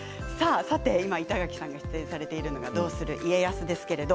今、板垣さんが出演されているのが「どうする家康」です。